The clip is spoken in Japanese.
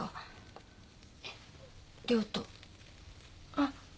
あっ。